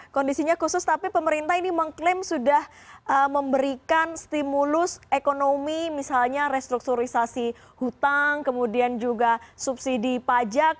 kondisinya khusus tapi pemerintah ini mengklaim sudah memberikan stimulus ekonomi misalnya restrukturisasi hutang kemudian juga subsidi pajak